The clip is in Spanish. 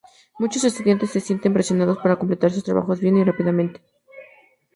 Muchos estudiantes se sienten presionados para completar sus trabajos bien y rápidamente.